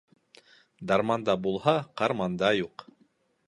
Дарманда булһа, карманда юҡ.